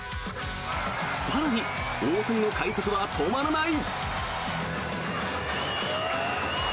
更に、大谷の快足は止まらない。